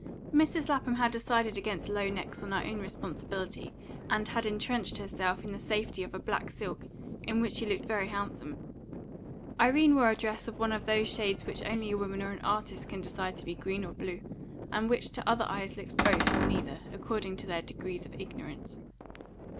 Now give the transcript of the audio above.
Mrs. Lapham had decided against low necks on her own responsibility, and had entrenched herself in the safety of a black silk, in which she looked very handsome. Irene wore a dress of one of those shades which only a woman or an artist can decide to be green or blue, and which to other eyes looks both or neither, according to their degrees of ignorance.